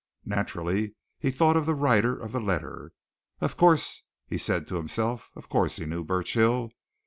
Naturally, he thought of the writer of the letter. Of course, he said to himself, of course he knew Burchill.